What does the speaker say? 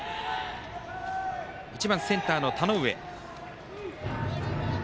１番センターの田上。